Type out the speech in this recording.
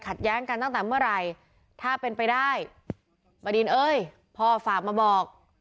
แย้งกันตั้งแต่เมื่อไหร่ถ้าเป็นไปได้บดินเอ้ยพ่อฝากมาบอก